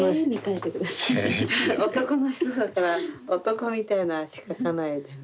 男の人だから男みたいな足描かないでね。